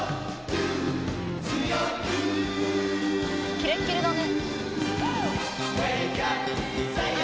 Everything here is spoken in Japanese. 「キレッキレだね」